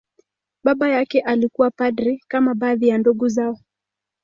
Baba yake alikuwa padri, kama baadhi ya ndugu zao.